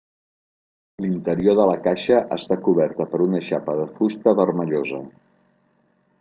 L'interior de la caixa està coberta per una xapa de fusta vermellosa.